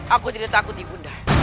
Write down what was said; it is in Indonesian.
aku tidak takut ibu